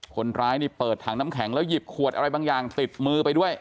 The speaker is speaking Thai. คนร้ายนี่เปิดถังน้ำแข็งแล้วหยิบขวดอะไรบางอย่างติดมือไปด้วย